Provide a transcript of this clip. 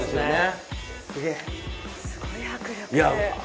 すごい迫力。